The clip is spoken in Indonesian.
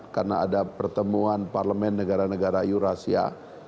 karena ada pertemuan parlemen negara negara eurasia